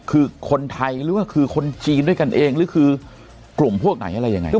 คือคนไทยหรือว่าคือคนจีนด้วยกันเองหรือคือกลุ่มพวกไหนอะไรยังไง